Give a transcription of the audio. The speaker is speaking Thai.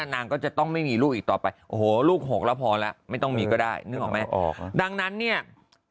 นางก็จะต้องไม่มีลูกกี่ต่อไปโอโหลูกหกเราพอแล้วไม่ต้องมีก็ได้นึกออกไหมออก